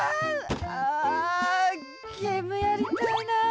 あゲームやりたいな。